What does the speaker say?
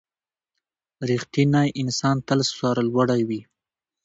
• رښتینی انسان تل سرلوړی وي.